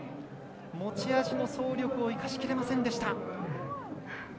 持ち味の走力を生かしきれませんでした。